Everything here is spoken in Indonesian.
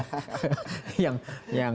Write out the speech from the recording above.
jadi tahu ya